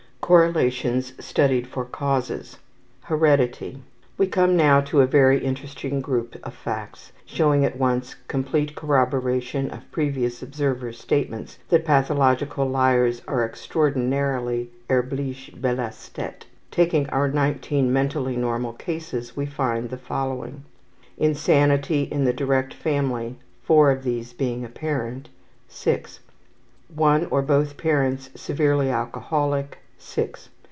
CORRELATIONS STUDIED FOR CAUSES Heredity. We come now to a very interesting group of facts showing at once complete corroboration of previous observers' statements that pathological liars are extraordinarily ``erbliche belastet.'' Taking our 19 mentally normal cases we find the following: Insanity in the direct family (four of these being a parent). .6 One or both parents severely alcoholic. ....